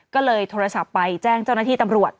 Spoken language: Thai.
ก็เลยโทรศัพท์ไปแจ้งเจ้าหน้าที่ตำรวจ